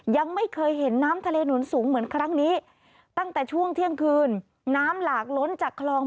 ยังไม่เคยเห็นน้ำทะเลหนุนสูงเหมือนครั้งนี้ตั้งแต่ช่วงเที่ยงคืนน้ำหลากล้นจากคลอง